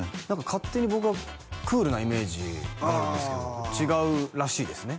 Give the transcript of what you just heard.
勝手に僕はクールなイメージなんですけど違うらしいですね